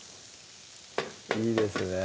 いいですね